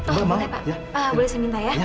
oh boleh pak boleh saya minta ya